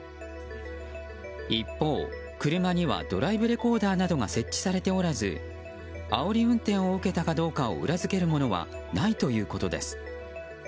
一方、車にはドライブレコーダーなどが設置されておらずあおり運転を受けたかどうかを裏付けるものはないということです。